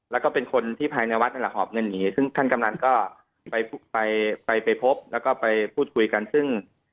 แล้วก็เป็นคนที่ภายในวัดนั่นแหละหอบเงินหนีซึ่งท่านกำนันก็ไปไปพบแล้วก็ไปพูดคุยกันซึ่ง